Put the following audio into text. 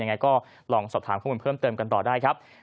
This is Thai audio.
ยังไงก็ลองสอบถามข้อมูลเพิ่มเติมกันต่อได้ครับ